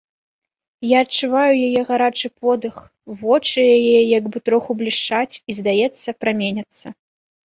Я адчуваю яе гарачы подых, вочы яе як бы троху блішчаць і, здаецца, праменяцца.